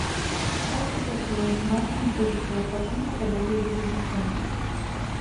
Бацька працуе, маці знаходзіцца ў адпачынку па доглядзе за дзіцем.